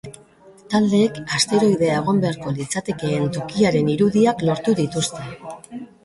Taldeek asteroidea egon beharko litzatekeen tokiaren irudiak lortu dituzte.